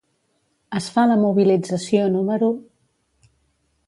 Es fa la mobilització número .